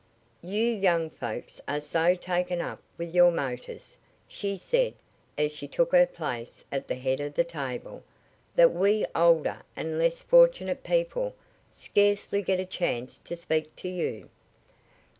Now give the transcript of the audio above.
"You young folks are so taken up with your motors," she said as she took her place at the head of the table, "that we older and less fortunate people scarcely get a chance to speak to you.